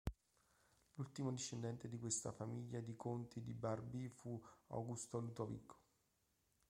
L'ultimo discendente di questa famiglia dei conti di Barby fu Augusto Ludovico.